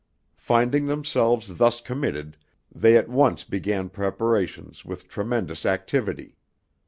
Finding themselves thus committed, they at once began preparations with tremendous activity.